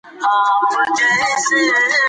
نیمه سپوږمۍ د ځمکې او لمر سره هممهاله حرکت کوي.